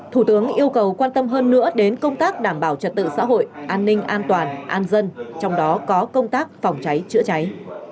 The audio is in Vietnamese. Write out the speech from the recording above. thủ tướng yêu cầu quan tâm hơn nữa đến công tác đảm bảo trật tự xã hội an ninh an toàn an dân trong đó có công tác phòng cháy chữa cháy